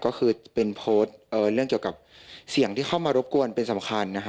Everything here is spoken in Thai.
ก็คือเป็นโพสต์เรื่องเกี่ยวกับเสียงที่เข้ามารบกวนเป็นสำคัญนะฮะ